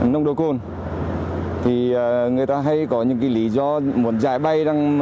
nông độ côn thì người ta hay có những lý do muốn giải bay